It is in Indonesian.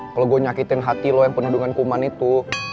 kalau gue nyakitin hati lo yang penuh dengan kuman itu